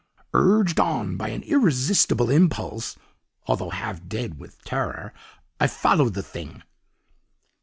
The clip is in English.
"'Urged on by an irresistible impulse (although half dead with terror), I followed the Thing.